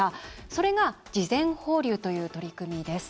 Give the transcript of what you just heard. それが、事前放流という取り組みです。